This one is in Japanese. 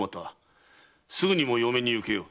すぐにも嫁に行けよう。